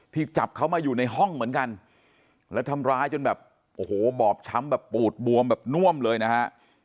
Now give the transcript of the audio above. จับเขามาอยู่ในห้องเหมือนกันแล้วทำร้ายจนแบบโอ้โหบอบช้ำแบบปูดบวมแบบน่วมเลยนะฮะ